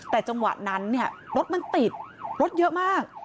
แต่จังหวะนั้นเนี่ยรถมันติดรถเยอะมาก